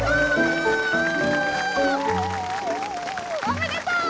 おめでとう！